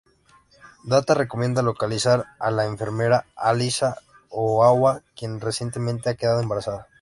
Data recomienda localizar a la enfermera Alyssa Ogawa quien recientemente ha quedado embarazada.